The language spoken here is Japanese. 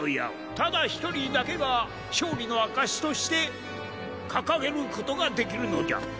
ただ１人だけが勝利の証しとしてかかげることができるのじゃ。